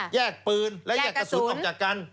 แยกปืนและแยกกระสุนออกจากกัน